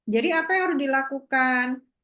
jadi apa yang harus dilakukan